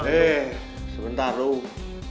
eh sebentar ruh